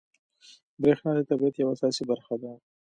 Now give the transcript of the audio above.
بریښنا د طبیعت یوه اساسي برخه ده